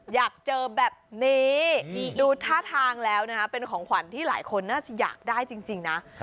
อยากเจอแบบนี้ดูท่าทางแล้วนะฮะเป็นของขวัญที่หลายคนน่าจะอยากได้จริงนะ